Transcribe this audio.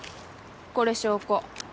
これ証拠。